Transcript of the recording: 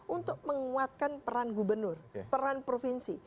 untuk menguatkan peran gubernur peran provinsi